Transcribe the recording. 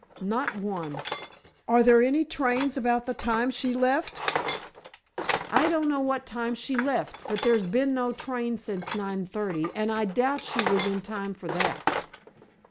"Not one." "Are there any trains about the time she left?" "I don't know what time she left, but there's been no train since nine thirty, and I doubt she was in time for that."